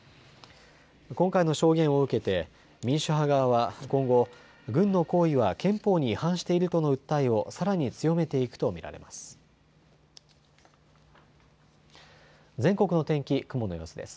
今回の証言を受けて民主派側は今後、軍の行為は憲法に違反しているとの訴えをさらに強めていくと見られます。